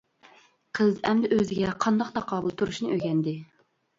قىز ئەمدى ئۆزىگە قانداق تاقابىل تۇرۇشنى ئۆگەندى.